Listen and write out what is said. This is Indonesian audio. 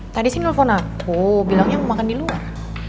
tadi sih nelfon aku bilangnya mau makan di luar